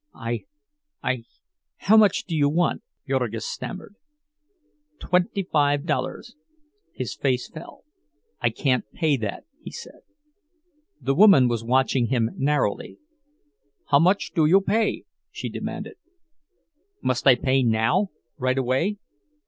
"I—I—how much do you want?" Jurgis stammered. "Tventy five dollars." His face fell. "I can't pay that," he said. The woman was watching him narrowly. "How much do you pay?" she demanded. "Must I pay now—right away?"